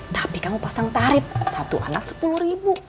tapi kamu pasang tarif satu anak sepuluh ribu